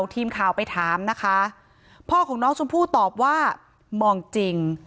ทีมข่าวไปถามนะคะพ่อของน้องชมพู่ตอบว่ามองจริง